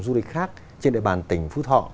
du lịch khác trên địa bàn tỉnh phú thọ